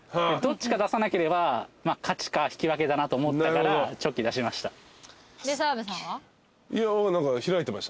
どっちか出さなければ勝ちか引き分けだなと思ったからチョキ出しました。